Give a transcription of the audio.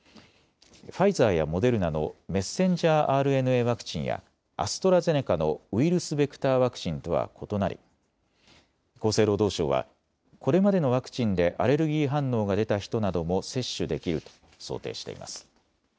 ファイザーやモデルナのメッセンジャーＲＮＡワクチンやアストラゼネカのウイルスベクターワクチンとは異なり、厚生労働省はこれまでのワクチンでアレルギー反応が出た人なども接種できると想定しています。